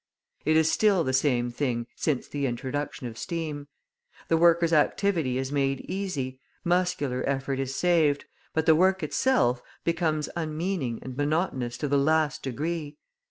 It is still the same thing since the introduction of steam. The worker's activity is made easy, muscular effort is saved, but the work itself becomes unmeaning and monotonous to the last degree.